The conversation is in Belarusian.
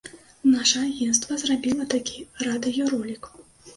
Наша агенцтва зрабіла такі радыёролік.